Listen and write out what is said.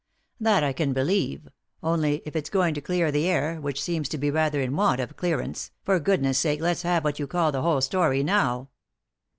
" That I can believe ; only, if it's going to clear the air, which seems to be rather in want of a clear ance, for goodness' sake let's have what you call the whole story now."